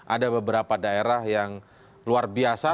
ada beberapa daerah yang luar biasa